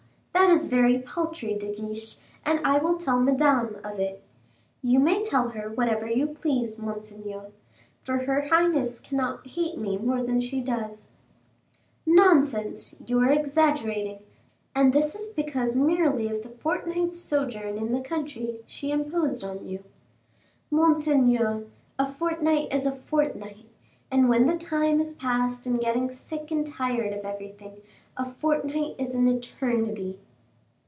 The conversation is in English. that is very paltry, De Guiche, and I will tell Madame of it." "You may tell her whatever you please, monseigneur, for her highness cannot hate me more than she does." "Nonsense, you are exaggerating; and this because merely of the fortnight's sojourn in the country she imposed on you." "Monseigneur, a fortnight is a fortnight; and when the time is passed in getting sick and tired of everything, a fortnight is an eternity."